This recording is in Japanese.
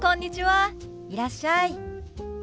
いらっしゃい。